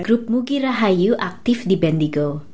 grup mugi rahayu aktif di bendigo